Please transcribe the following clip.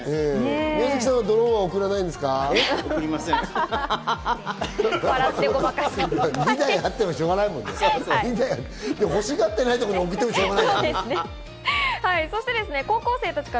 宮崎さんはドローンは贈らないんですか？